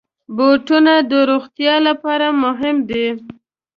بوټونه د روغتیا لپاره مهم دي.